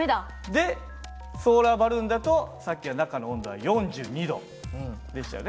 でソーラーバルーンだとさっきは中の温度は４２℃でしたよね。